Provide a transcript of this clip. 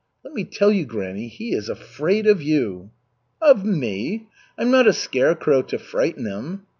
"Let me tell you, granny, he is afraid of you." "Of me! I'm not a scarecrow to frighten him."